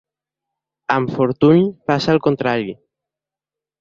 Amb Fortuny passa el contrari.